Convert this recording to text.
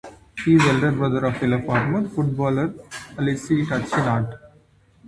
He is the elder brother of fellow former footballer Alessio Tacchinardi.